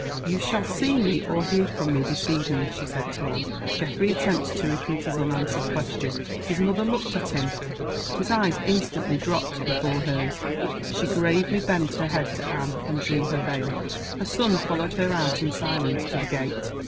"You shall see me, or hear from me, this evening," she said to Anne. Geoffrey attempted to repeat his unanswered question. His mother looked at him. His eyes instantly dropped before hers. She gravely bent her head to Anne, and drew her veil. Her son followed her out in silence to the gate.